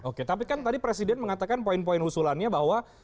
oke tapi kan tadi presiden mengatakan poin poin usulannya bahwa